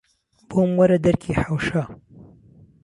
بۆم وهره دهرکی حهوشه